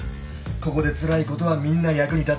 ここでつらいことはみんな役に立つ。